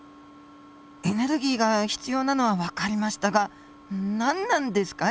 エネルギーが必要なのはわかりましたが何なんですか？